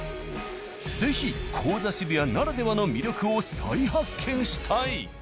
是非高座渋谷ならではの魅力を再発見したい。